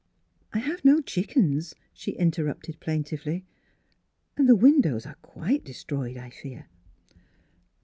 " I have no chickens," she interrupted plaintively. " And the windows are quite destroyed, I fear."